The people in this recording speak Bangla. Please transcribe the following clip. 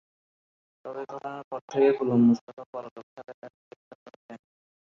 তবে ঘটনার পর থেকে গোলাম মোস্তফা পলাতক থাকায় তাকে গ্রেপ্তার করা যায়নি।